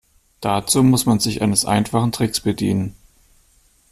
Dazu muss man sich eines einfachen Tricks bedienen.